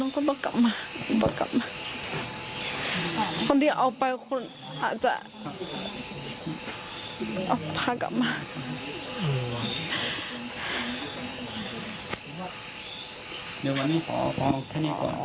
ทำน้ำ